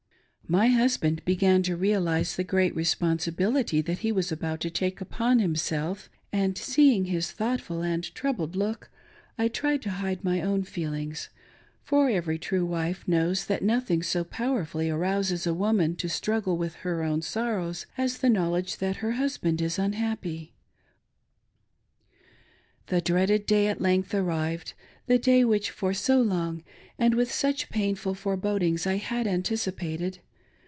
My husband bfegan to realise the great responsibility that he was about to take upon himself, and seeing his thoughtful and troubled look, I tried to hide my own feelings ; for every true •wife knows that nothing so powerfully arouses a woman to' struggle with her own sorrows as the knowledge that her hus band is unhappy. The dreaded day at length arrived, the day which for so' long, and with such painful forebodings, I had anticipated.